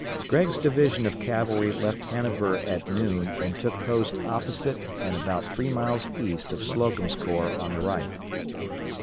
Gregg's division of cavalry left Hanover at noon and took post opposite and about three miles east of Slocum's Corps on the right.